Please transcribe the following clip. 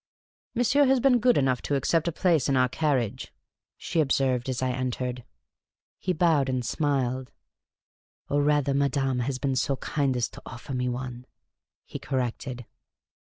" Monsieur has been good enough to accept a place in our carriage," she observed, as I entered. He bowed and smiled. " Or, rather, madame has been so kind as to offer me one," he corrected.